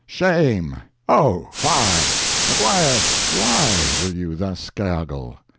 Shame! Oh, fie! Maguire, why Will you thus skyugle?